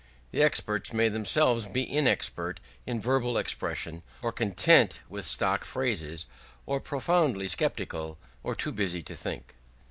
The experts may themselves be inexpert in verbal expression, or content with stock phrases, or profoundly sceptical, or too busy to think.